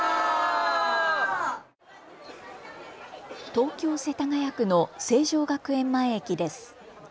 東京世田谷区の成城学園前駅です。